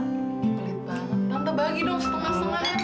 pelit banget tante bagi dong setengah setengah ya mir